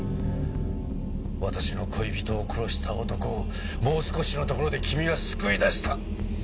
私の恋人を殺した男をもう少しのところで君は救い出した。